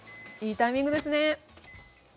いいタイミングですね！